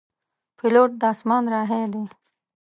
پیلوټ د اسمان راهی دی.